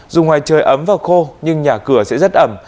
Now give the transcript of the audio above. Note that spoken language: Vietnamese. dù ngoài trời ấm và khô nhưng nhà cửa sẽ rất ẩm